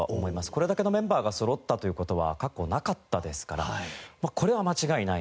これだけのメンバーがそろったという事は過去なかったですからこれは間違いないなと思いますが。